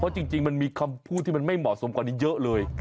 จริงมันมีคำพูดที่มันไม่เหมาะสมกว่านี้เยอะเลย